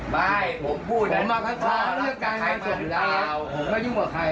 บ้าเอ้ยผมไม่รักดุป่าเพราะไหนนะผมยังว่าไหน